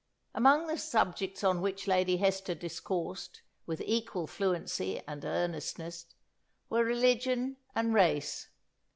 '" Among the subjects on which Lady Hester discoursed, with equal fluency and earnestness, were religion and race.